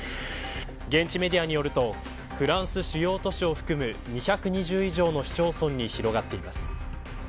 現地メディアによるとフランス主要都市を含む２２０以上の市町村に広がっています。